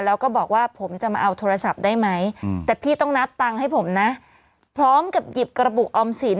แล้วก็บอกว่าผมจะมาเอาโทรศัพท์ได้ไหมแต่พี่ต้องนับตังค์ให้ผมนะพร้อมกับหยิบกระปุกออมสิน